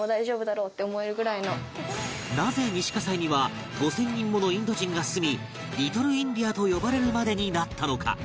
なぜ西葛西には５０００人ものインド人が住みリトルインディアと呼ばれるまでになったのか？